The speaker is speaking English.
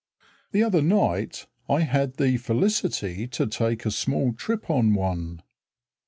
The other night I had the felicity to take a small trip on one.